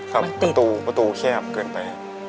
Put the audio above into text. ครับประตูประตูแคบเกินไป